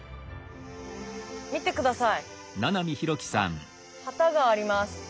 見て下さい旗があります。